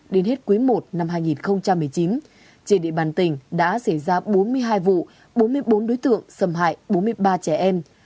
đến hết quý i năm hai nghìn một mươi chín trên địa bàn tỉnh đã xảy ra bốn mươi hai vụ bốn mươi bốn đối tượng xâm hại bốn mươi ba trẻ em